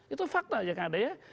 itu faktanya yang ada ya